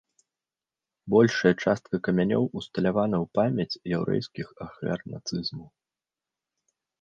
Большая частка камянёў усталявана ў памяць яўрэйскіх ахвяр нацызму.